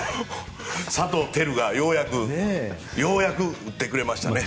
佐藤輝がようやく打ってくれましたね。